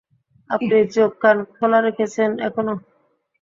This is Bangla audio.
আপনি চোখকান খোলা রেখেছেন এখনো?